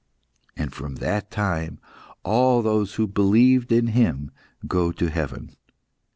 "And, from that time, all those who believed in Him go to heaven.